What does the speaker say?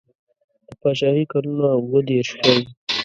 د پاچهي کلونه اووه دېرش ښيي.